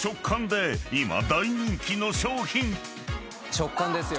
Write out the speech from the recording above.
食感ですよ。